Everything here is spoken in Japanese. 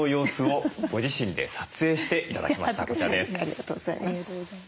ありがとうございます。